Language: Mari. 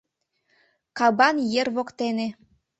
Кабан ер воктене.